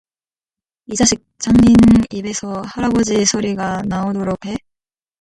"이자식! 장인 입에서 할아버지 소리가 나오도록 해?"